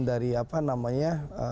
dari apa namanya